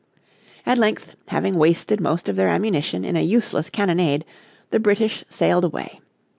At length, having wasted most of their ammunition in a useless cannonade, the British sailed away.